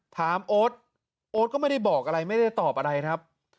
โอ๊ตโอ๊ตก็ไม่ได้บอกอะไรไม่ได้ตอบอะไรครับ